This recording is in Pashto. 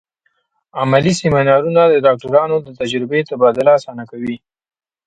علمي سیمینارونه د ډاکټرانو د تجربې تبادله اسانه کوي.